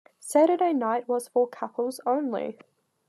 Saturday night was for couples only.